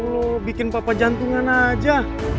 lo bikin papa jantungan aja